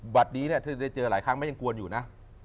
บัดดีเนี่ยถ้าได้เจอหลายครั้งมันยังกวนอยู่นะ